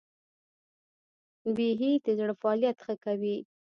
بیهي د زړه فعالیت ښه کوي.